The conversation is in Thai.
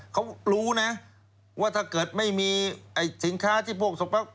เขารู้นะว่าถ้าเกิดไม่มีสินค้าที่พวกส่งพัก